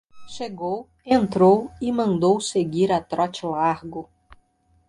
Chegou, entrou e mandou seguir a trote largo.